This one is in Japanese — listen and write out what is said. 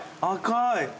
赤い！